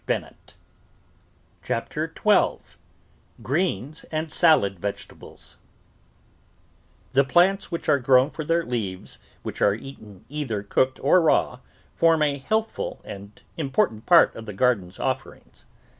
CHAPTER TWELVE GREENS AND SALAD VEGETABLES 1 HE plants which are grown for their leaves which are eaten either cooked or raw form a health ful and important part of the garden's offerings.